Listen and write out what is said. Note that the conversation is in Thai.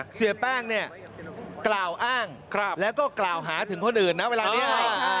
เสียแป้งเนี่ยกล่าวอ้างแล้วก็กล่าวหาถึงคนอื่นนะเวลานี้